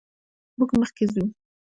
موږ مخکې ځو.